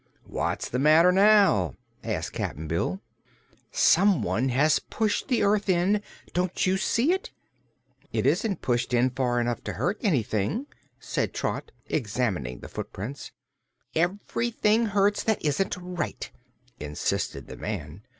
"What's the matter now?" asked Cap'n Bill. "Someone has pushed the earth in! Don't you see it? "It isn't pushed in far enough to hurt anything," said Trot, examining the footprints. "Everything hurts that isn't right," insisted the man.